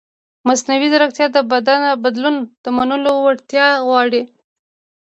مصنوعي ځیرکتیا د بدلون د منلو وړتیا غواړي.